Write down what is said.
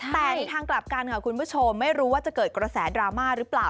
แต่ในทางกลับกันค่ะคุณผู้ชมไม่รู้ว่าจะเกิดกระแสดราม่าหรือเปล่า